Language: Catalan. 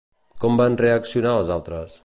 Com van reaccionar els altres?